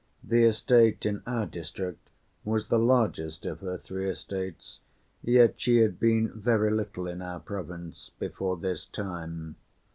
The estate in our district was the largest of her three estates, yet she had been very little in our province before this time.